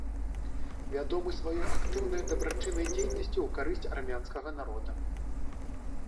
Вядомы сваёй актыўнай дабрачыннай дзейнасцю ў карысць армянскага народа.